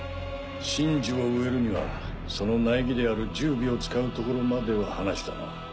神樹を植えるにはその苗木である十尾を使うところまでは話したな。